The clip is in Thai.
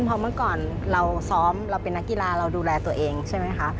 เพราะเมื่อก่อนเราซ้อมเราเป็นนักกีฬาเราดูแลตัวเองใช่ไหมคะ